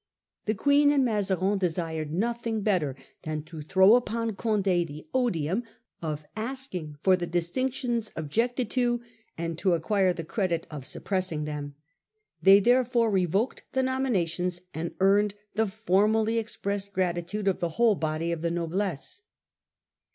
The Queen and Ma zarin desired nothing better than to throw upon Cond£ the odium of asking for the distinctions objected to, and to acquire the credit of suppressing them. They therefore revoked the nominations, and earned the for mally expressed gratitude of the whole body of the noblesse.